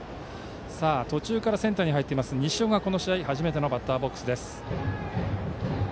途中からセンターに入っている西尾がこの試合初めてのバッターボックス。